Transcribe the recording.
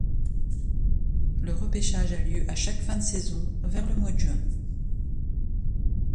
Le repêchage a lieu à chaque fin de saison vers le mois de juin.